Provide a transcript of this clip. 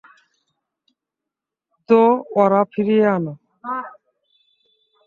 তো, ওরা ফিরিয়ে আনো।